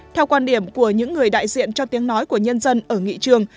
theo quan điểm của những người đại diện cho tiếng nói của nhân dân ở nghị trường